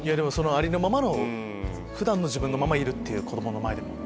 ありのままの普段の自分のままいる子供の前でも。